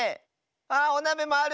あおなべもある！